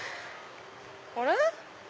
あれ？